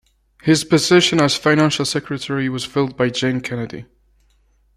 His position as Financial Secretary was filled by Jane Kennedy.